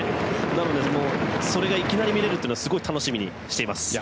なので、それがいきなり見れるというのはすごい楽しみにしています。